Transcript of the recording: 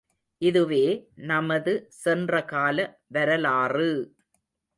இதுவே, நமது சென்றகால வரலாறு!